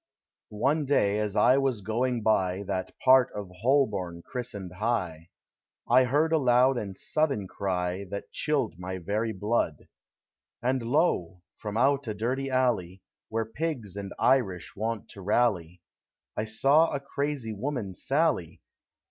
One day, as I was going by That part of Ilolborn christened High, I heard a loud and sudden cry That chilled my very blood; And lo ! from out a dirty alley, Where pigs and Irish wont to rally, I saw a crazy woman sally.